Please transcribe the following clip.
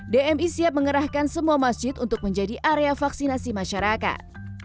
dmi siap mengerahkan semua masjid untuk menjadi area vaksinasi masyarakat